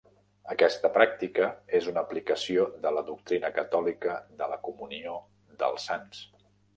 Aquesta pràctica és una aplicació de la doctrina catòlica de la comunió dels sants.